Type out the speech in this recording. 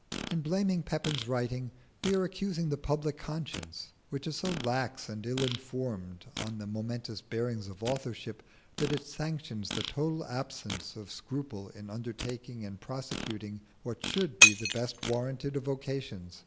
In blaming Pepin's writing we are accusing the public conscience, which is so lax and ill informed on the momentous bearings of authorship that it sanctions the total absence of scruple in undertaking and prosecuting what should be the best warranted of vocations.